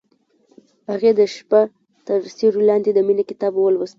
هغې د شپه تر سیوري لاندې د مینې کتاب ولوست.